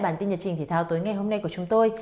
bản tin nhật trình thể thao tối ngày hôm nay của chúng tôi